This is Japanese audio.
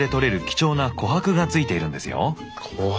貴重な琥珀がついているんですよ。